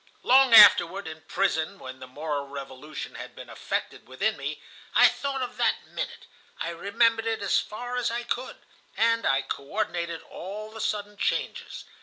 "Long afterward, in prison when the moral revolution had been effected within me, I thought of that minute, I remembered it as far as I could, and I co ordinated all the sudden changes.